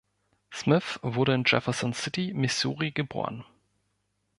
Smith wurde in Jefferson City, Missouri, geboren.